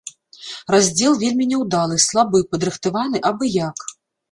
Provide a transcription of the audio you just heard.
Раздзел вельмі няўдалы, слабы, падрыхтаваны абы як.